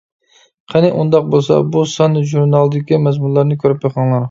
قېنى ئۇنداق بولسا بۇ سان ژۇرنالدىكى مەزمۇنلارنى كۆرۈپ بېقىڭلار.